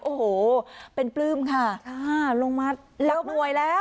โอ้โหเป็นปลื้มค่ะ